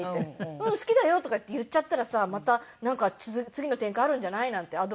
「うん好きだよ」とかって言っちゃったらさまた次の展開あるんじゃない？なんてアドバイスして。